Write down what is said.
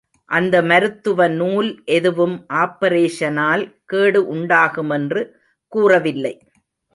அந்த மருத்துவ நூல் எதுவும் ஆப்பரேஷனால் கேடு உண்டாகுமென்று கூற வில்லை.